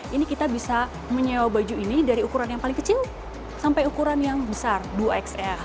ini kita bisa menyewa baju ini dari ukuran yang paling kecil sampai ukuran yang besar dua xl